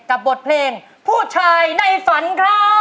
บทเพลงผู้ชายในฝันครับ